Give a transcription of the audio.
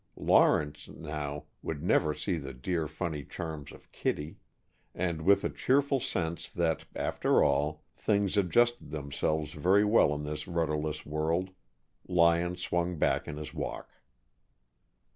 Lawrence, now, would never see the dear, funny charms of Kittie! And with a cheerful sense that, after all, things adjusted themselves very well in this rudderless world, Lyon swung back in his walk.